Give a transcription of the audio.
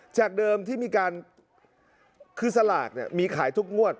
จากเดิมที่มีการคือสลากเนี่ยมีขายทุกงวด